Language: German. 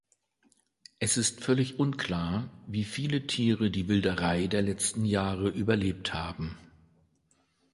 Es ist völlig unklar, wie viele Tiere die Wilderei der letzten Jahre überlebt haben.